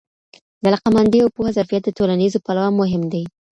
د علاقه مندي او پوهه ظرفیت د ټولنیزو پلوه مهم دی.